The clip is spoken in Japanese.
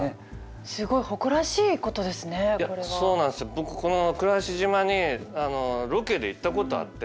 僕この倉橋島にロケで行ったことあって。